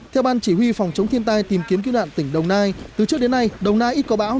theo ban chỉ huy phòng chống thiên tai tìm kiếm cứu nạn tỉnh đồng nai từ trước đến nay đồng nai ít có bão